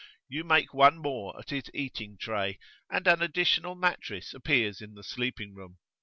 You make one more at his eating tray, and an additional mattress appears in the sleeping room.